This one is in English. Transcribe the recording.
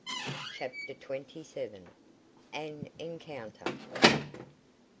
CHAPTER TWENTY SEVEN. AN ENCOUNTER.